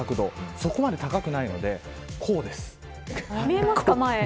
そこまで高くないのでこうです。